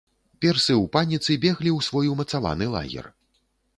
Персы ў паніцы беглі ў свой умацаваны лагер.